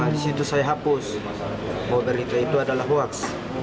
di situ saya hapus bahwa berita itu adalah hoaks